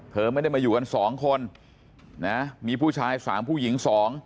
เธอไม่ได้มาอยู่กัน๒คนนะมีผู้ชาย๓ผู้หญิง๒